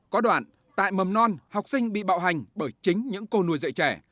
có đoạn tại mầm non học sinh bị bạo hành bởi chính những cô nuôi dạy trẻ